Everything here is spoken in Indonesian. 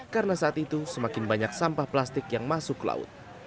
karena saat itu semakin banyak sampah plastik yang masuk ke laut